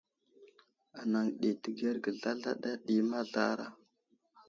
Anaŋ ɗi təgerge zlazla ɗi mazlara.